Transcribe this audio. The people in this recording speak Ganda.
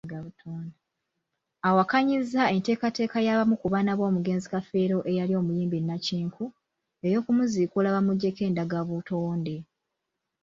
Awakanyizza enteekateeka y'abamu ku baana b'omugenzi Kafeero eyali omuyimbi nnakinku, ey'okumuziikula bamujjeko endagabutonde.